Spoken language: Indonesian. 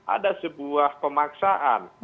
ada sebuah pemaksaan